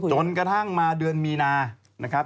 จนกระทั่งมาเดือนมีนานะครับ